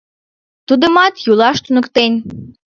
Тудымат юлаш туныктен.